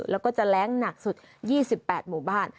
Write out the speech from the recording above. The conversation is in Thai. แล้วก็จะแรงหนักสุด๒๘หมู่บ้าน